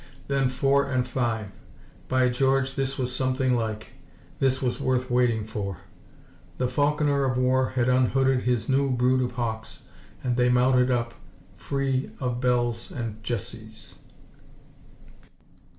Then four and five. By George, this was something like! This was worth waiting for! The falconer of war had unhooded his new brood of hawks and they mounted up, free of bells and jesses.